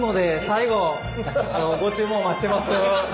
最後ご注文お待ちしてます。